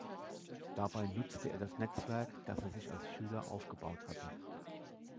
Dabei nutzte er das Netzwerk, das er sich als Schüler aufgebaut hatte.